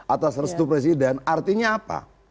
atas restu presiden artinya apa